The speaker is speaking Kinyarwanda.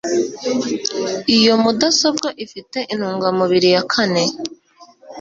Iyo mudasobwa ifite intungamubiri ya kane.